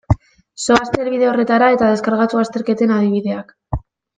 Zoazte helbide horretara eta deskargatu azterketen adibideak.